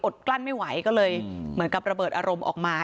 กลั้นไม่ไหวก็เลยเหมือนกับระเบิดอารมณ์ออกมา